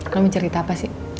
lo mau cerita apa sih